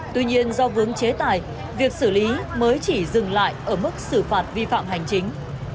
tuy nhiên do vướng chế tài việc xử lý mới chỉ dừng lại ở mức xử phạt vi phạm hành chính